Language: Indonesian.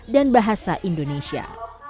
dan bahasa indonesia